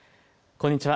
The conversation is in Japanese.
こんにちは。